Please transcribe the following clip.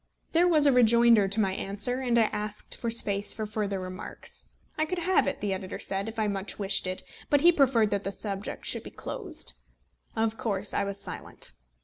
There was a rejoinder to my answer, and I asked for space for further remarks. I could have it, the editor said, if I much wished it; but he preferred that the subject should be closed. Of course I was silent.